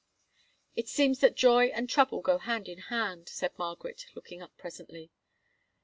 "It seems that joy and trouble go hand in hand," said Margaret, looking up presently.